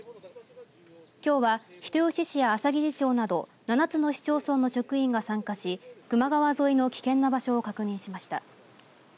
きょうは人吉市やあさぎり町など７つの市町村の職員が参加し球磨川沿いの危険な場所を確認しました。